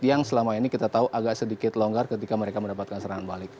yang selama ini kita tahu agak sedikit longgar ketika mereka mendapatkan serangan balik